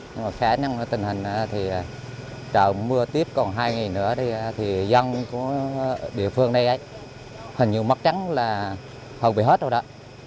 nhưng mà khá năng tình hình thì trời mưa tiếp còn hai ngày nữa thì dân của địa phương đây ấy hình như mất trắng là hầu bị hết rồi đó